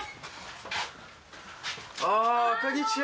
こんにちは。